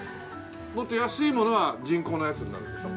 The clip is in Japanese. もっと安いものは人工のやつになるんでしょ？